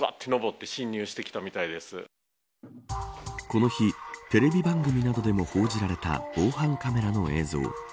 この日テレビ番組などでも報じられた防犯カメラの映像。